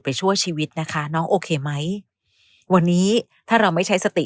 ชั่วชีวิตนะคะน้องโอเคไหมวันนี้ถ้าเราไม่ใช้สติ